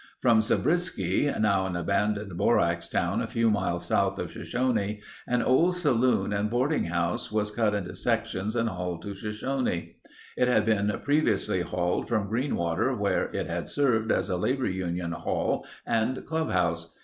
From Zabriskie, now an abandoned borax town a few miles south of Shoshone, an old saloon and boarding house was cut into sections and hauled to Shoshone. It had been previously hauled from Greenwater where it had served as a labor union hall and club house.